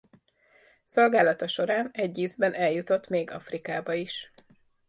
Szolgálata során egy ízben eljutott még Afrikába is.